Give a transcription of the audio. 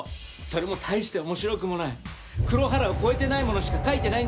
それも大して面白くもない黒原を超えてないものしか書いてないんです。